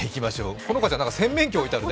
好花ちゃん、洗面器、置いてあるね。